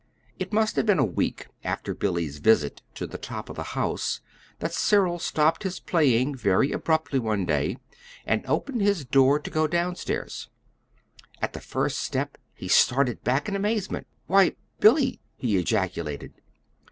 It must have been a week after Billy's visit to the top of the house that Cyril stopped his playing very abruptly one day, and opened his door to go down stairs. At the first step he started back in amazement. "Why, Billy!" he ejaculated.